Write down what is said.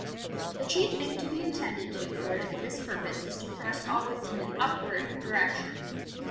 The chief thing to be attended to for this purpose is to thrust always in an upward direction.